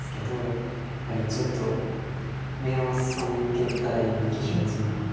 やっぱりちょっと目を背けたい気持ちが。